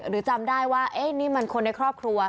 หรือจำได้ว่านี่มันคนในครอบครัว